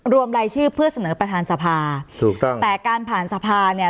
รายชื่อเพื่อเสนอประธานสภาถูกต้องแต่การผ่านสภาเนี่ย